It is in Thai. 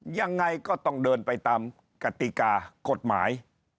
ยังไงก็ต้องเดินไปตามกติกากฎหมาย